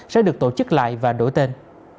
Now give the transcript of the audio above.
sẽ được tổ chức lại và đổi tên